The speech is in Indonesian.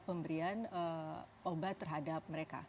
pemberian obat terhadap mereka